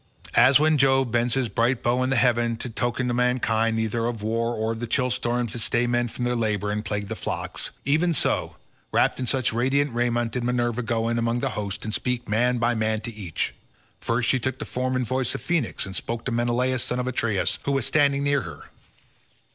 As when Jove bends his bright bow in heaven in token to mankind either of war or of the chill storms that stay men from their labour and plague the flocks—even so, wrapped in such radiant raiment, did Minerva go in among the host and speak man by man to each. First she took the form and voice of Phoenix and spoke to Menelaus son of Atreus, who was standing near her.